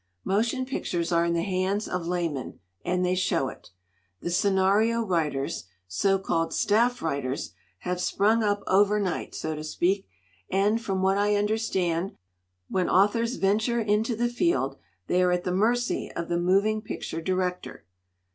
"Motion pictures are in the hands of laymen, and they show it. The scenario writers, so called 'staff writers,' have sprung up overnight, so to speak, and, from what I understand, when au thors venture into the field they are at the mercy of the moving picture director.